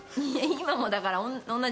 今もだから同じ。